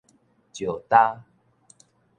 石礁